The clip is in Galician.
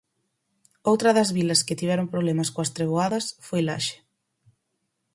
Outra das vilas que tiveron problemas coas treboadas foi Laxe.